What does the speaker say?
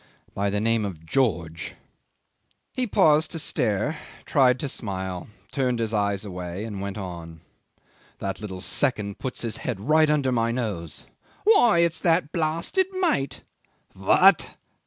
by the name of George." 'He paused to stare, tried to smile, turned his eyes away and went on. "That little second puts his head right under my nose, 'Why, it's that blasted mate!' 'What!